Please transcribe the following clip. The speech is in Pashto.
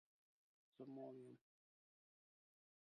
زه موړ یم